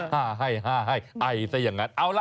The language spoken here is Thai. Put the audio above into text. ห้าให้ห้าให้ไอซะอย่างนั้น